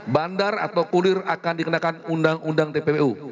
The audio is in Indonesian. bandar atau kulir akan dikenakan undang undang tppu